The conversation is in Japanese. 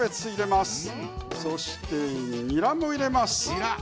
そして、にらも入れます。